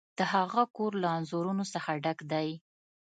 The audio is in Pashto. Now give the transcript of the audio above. د هغه کور له انځورونو څخه ډک دی.